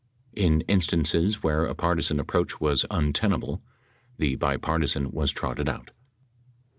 In instances where a partisan approach was untenable, the bipartisan was trotted out.